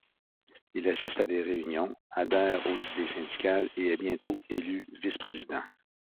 Il assiste à des réunions, adhère aux idées syndicales et est bientôt élu vice-président.